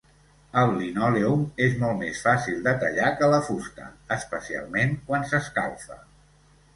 El linòleum és molt més fàcil de tallar que la fusta, especialment quan s'escalfa.